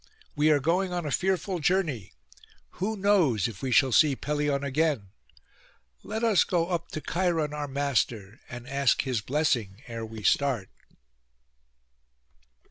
We are going on a fearful journey; who knows if we shall see Pelion again? Let us go up to Cheiron our master, and ask his blessing ere we start.